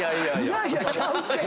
「いやいや」ちゃうって！